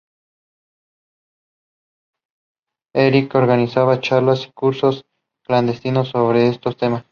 Ekin organizaba charlas y cursos clandestinos sobre estos temas.